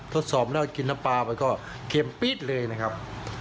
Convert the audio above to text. ทดสอบแล้วกินน้ำปลาไปก็เค็มปี๊ดเลยนะครับ